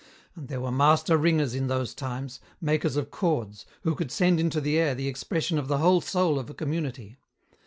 And there were master ringers in those times, makers of chords, who could send into the air the expression of the whole soul of a community.